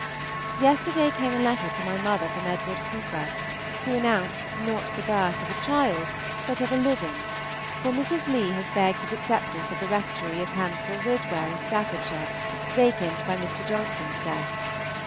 Yesterday came a letter to my mother from Edward Cooper to announce, not the birth of a child, but of a living; for Mrs. Leigh has begged his acceptance of the Rectory of Hamstall Ridware in Staffordshire, vacant by Mr. Johnson's death.